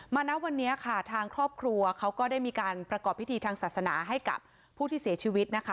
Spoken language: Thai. ณวันนี้ค่ะทางครอบครัวเขาก็ได้มีการประกอบพิธีทางศาสนาให้กับผู้ที่เสียชีวิตนะคะ